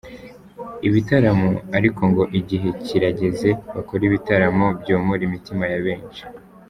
ibitaramo, ariko ngo igihe kirageze bakore ibitaramo byomora imitima ya benshi.